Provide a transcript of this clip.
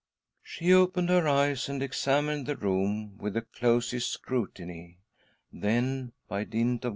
She opened . her eyes and examined the room with the closest scrutiny. Then, by dint of.